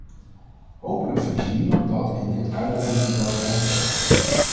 Hopelijk verliest niemand dat in dit uitbreidingsdebat uit het oog.